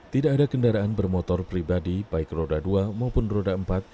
tidak ada kendaraan bermotor pribadi baik roda dua maupun roda empat